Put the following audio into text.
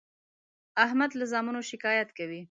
احمد له زامنو شکایت کوي.